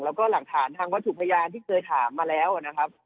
แล้วก็หลักฐานทางวัตถุพยานที่เคยถามมาแล้วนะครับ